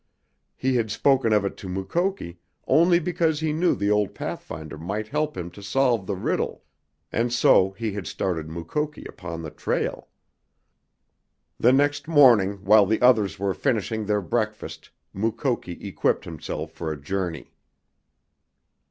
He had spoken of it to Mukoki only because he knew the old pathfinder might help him to solve the riddle, and so he had started Mukoki upon the trail. The next morning, while the others were finishing their breakfast, Mukoki equipped himself for a journey.